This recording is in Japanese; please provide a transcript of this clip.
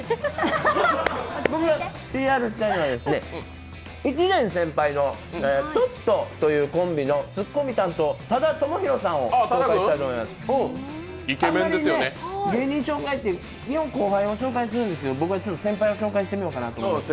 僕がＰＲしたいのはですね、１年先輩のトットというコンビのツッコミ担当の多田智佑さんをご紹介したいと思います。